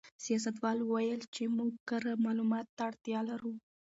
سیاستوال وویل چې موږ کره معلوماتو ته اړتیا لرو.